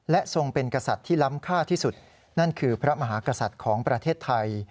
และทรงเป็นกษัตริย์ที่ล้ำค่าที่สุดนั่นคือพระมหากษัตริย์ของประเทศไทย